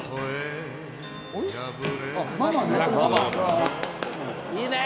ママね。